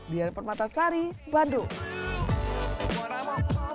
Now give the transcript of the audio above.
biar permata sari bandung